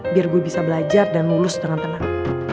biar gue bisa belajar dan mulus dengan tenang